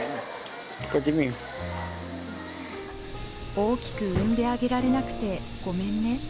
大きく産んであげられなくてごめんね。